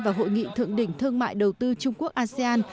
và hội nghị thượng đỉnh thương mại đầu tư trung quốc asean